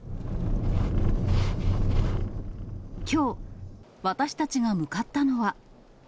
きょう、私たちが向かったのは。